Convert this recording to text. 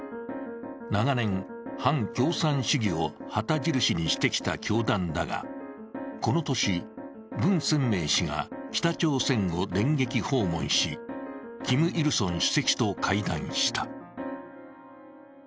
長年、反共産主義を旗印にしてきた教団だが、この年、文鮮明氏が北朝鮮を電撃訪問しキム・イルソン主席と会談した。